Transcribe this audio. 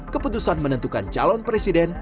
keputusan menentukan calon presiden